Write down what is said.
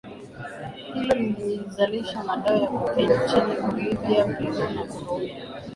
hilo lilizalisha madawa ya Cocaine nchinin Bolivia Peru na Colombia